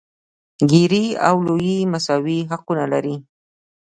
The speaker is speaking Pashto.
ګېري او لويي مساوي حقونه لري.